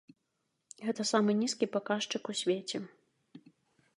Гэта самы нізкі паказчык у свеце.